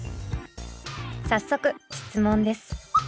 早速質問です。